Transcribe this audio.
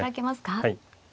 はい。